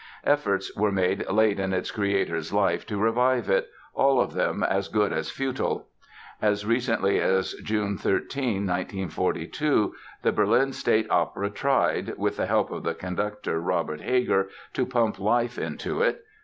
Efforts were made late in its creator's life to revive it, all of them as good as futile. As recently as June 13, 1942, the Berlin State Opera tried, with the help of the conductor, Robert Heger, to pump life into it.